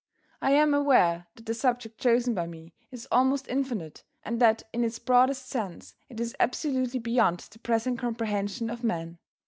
I am aware that the subject chosen by me is almost infinite and that in its broadest sense it is absolutely beyond the present comprehension of man.